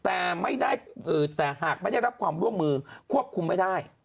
แต่หากไม่ได้รับความร่วมมือควบคุมไม่ได้